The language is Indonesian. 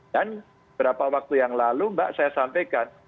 dan beberapa waktu yang lalu mbak saya sampaikan